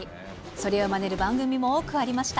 それをまねる番組も多くありました。